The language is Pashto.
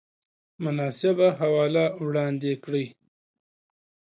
مناسبه حواله وړاندې کړئ